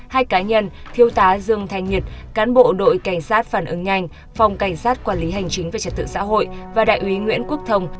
hai cá nhân thiêu tá dương thanh nhật cán bộ đội cảnh sát phản ứng nhanh phòng cảnh sát quản lý hành chính về trật tự xã hội và đại úy nguyễn quốc thông